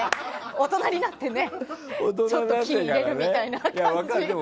大人になって、ちょっと金を入れるみたいな感じ。